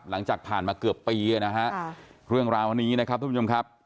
หลังจากผ่านมาเกือบปีนะฮะเรื่องราวนี้นะครับทุกผู้ชมครับ